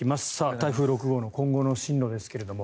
台風６号の今後の進路ですけれども。